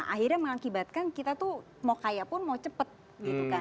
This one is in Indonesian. akhirnya mengakibatkan kita tuh mau kaya pun mau cepet gitu kan